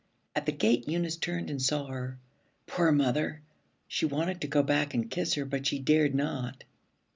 At the gate Eunice turned and saw her. 'Poor mother!' She wanted to go back and kiss her but she dared not.